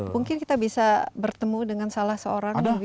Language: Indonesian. mungkin kita bisa bertemu dengan salah seorang